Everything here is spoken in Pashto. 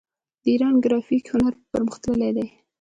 د ایران ګرافیک هنر پرمختللی دی.